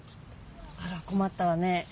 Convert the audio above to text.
あらこまったわね。